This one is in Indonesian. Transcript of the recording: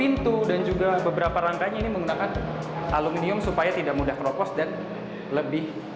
dan untuk daun pintu dan juga beberapa rantainya ini menggunakan aluminium supaya tidak mudah teropos dan lebih awet